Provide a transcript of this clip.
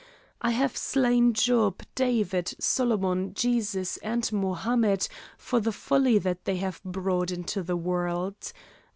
I have slain Job, David, Solomon, Jesus, and Mohammed for the folly that they have brought into the world.